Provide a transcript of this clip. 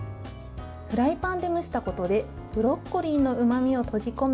フライパンで蒸したことでブロッコリーのうまみを閉じ込め